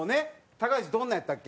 高岸どんなんやったけ？